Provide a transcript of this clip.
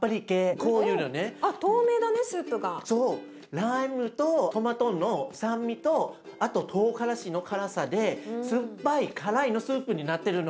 ライムとトマトの酸味とあとトウガラシの辛さで酸っぱい辛いのスープになってるの。